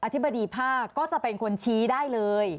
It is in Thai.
ธิบดีภาคก็จะเป็นคนชี้ได้เลย